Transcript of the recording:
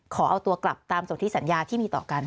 ขอเอาตัวกลับตามสนทิสัญญาที่มีต่อกัน